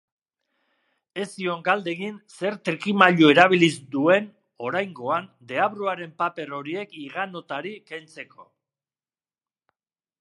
Ez zion galdegin zer trikimailu erabili duen oraingoan deabruaren paper horiek higanotari kentzeko.